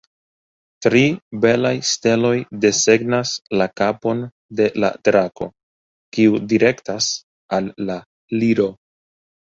Tri belaj steloj desegnas la kapon de la drako, kiu direktas al la Liro.